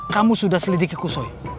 kamu sudah selidiki kusoy